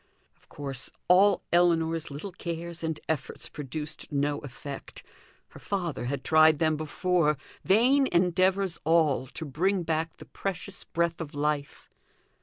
Of course, all Ellinor's little cares and efforts produced no effect; her father had tried them before vain endeavours all, to bring back the precious breath of life!